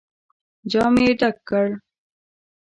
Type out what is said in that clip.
جام يې ډک کړ.